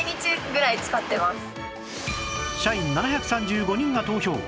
社員７３５人が投票！